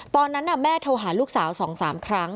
ตอนนั้นแม่โทรหาลูกสาว๒๓ครั้ง